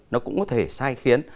nó cũng có thể sai khiến